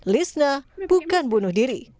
lisna bukan bunuh diri